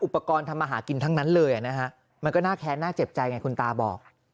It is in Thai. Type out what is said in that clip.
อุปกรณ์ทำมาหากินทั้งนั้นเลยนะฮะมันก็น่าแค้นน่าเจ็บใจไงคุณตาบอก